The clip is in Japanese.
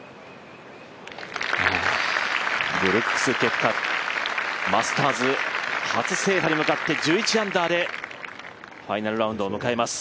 ブルックス・ケプカ、マスターズ初制覇に向かって１１アンダーでファイナルラウンドを迎えます。